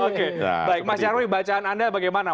oke baik mas nyarwi bacaan anda bagaimana